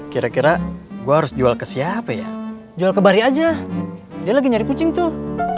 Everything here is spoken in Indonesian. kira kira gue harus jual ke siapa ya jual ke bari aja dia lagi nyari kucing tuh